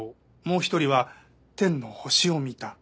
もう一人は天の星を見た」。